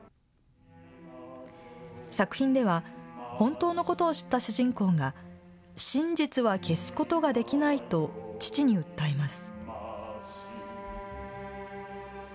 作品では本当のことを知った主人公が真実は消すことができないと父に訴えます。